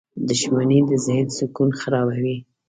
• دښمني د ذهن سکون خرابوي.